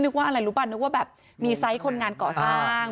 ว่าอะไรรู้ป่ะนึกว่าแบบมีไซส์คนงานก่อสร้าง